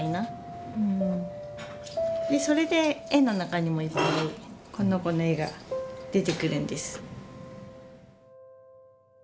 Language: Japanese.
それで絵の中にもいっぱいこの子の絵が出てくるんです。